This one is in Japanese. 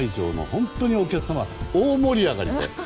本当に大盛り上がりで。